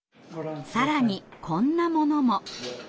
更にこんなものも。